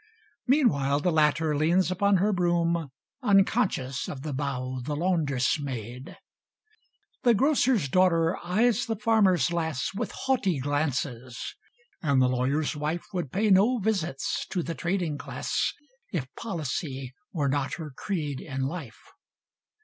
Meanwhile the latter leans upon her broom, Unconscious of the bow the laundress made. The grocer's daughter eyes the farmer's lass With haughty glances; and the lawyer's wife Would pay no visits to the trading class, If policy were not her creed in life.